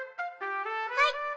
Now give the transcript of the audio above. はい。